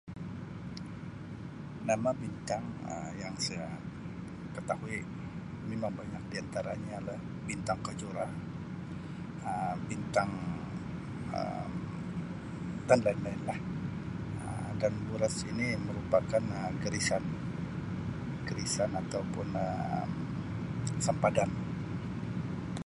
Nama bintang Um yang saya ketahui [unintelligible] di antaranya adalah bintang kejora Um bintang Um dan lain-lain lah Um dan buruj ini merupakan Um garisan garisan atau pun Um sempadan.